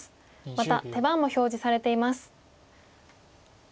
また手番も表示されています。